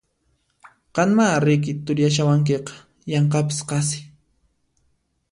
Qanmá riki turiyashawankiqa yanqapis qasi!